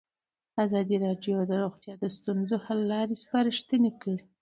ازادي راډیو د روغتیا د ستونزو حل لارې سپارښتنې کړي.